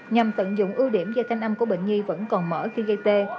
nhằm tận dụng ưu điểm do thanh âm của bệnh nhi vẫn còn mở khi gây tê